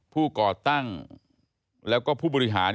ก่อตั้งแล้วก็ผู้บริหาร